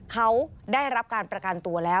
เขาได้รับการประกันตัวแล้ว